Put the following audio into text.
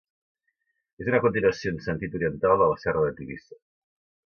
És una continuació en sentit oriental de la serra de Tivissa.